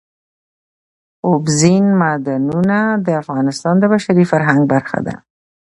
اوبزین معدنونه د افغانستان د بشري فرهنګ برخه ده.